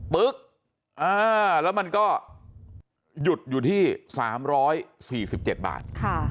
ปึ๊กแล้วมันก็หยุดอยู่ที่๓๔๗บาท